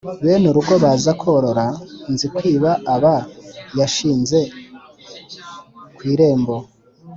Bene urugo baza kurora Nzikwiba aba yashinze ku irembo,